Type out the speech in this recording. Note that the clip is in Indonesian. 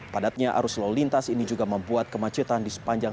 padatnya arus lalu lintas ini juga membuat kemacetan